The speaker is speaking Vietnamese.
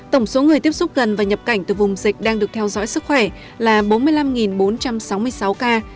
tổng số người tiếp xúc gần và nhập cảnh từ vùng dịch đang được theo dõi sức khỏe là bốn mươi năm bốn trăm sáu mươi sáu ca